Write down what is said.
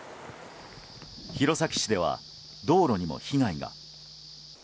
弘前市では道路にも被害が。